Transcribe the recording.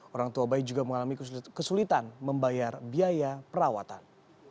orang tua bayi juga mengalami kesulitan membayar biaya perawatan